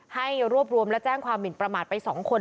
ให้รวบรวมและแจ้งความหมินประมาทไป๒คน